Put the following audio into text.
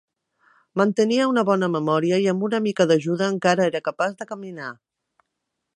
Mantenia una bona memòria i amb una mica d'ajuda encara era capaç de caminar.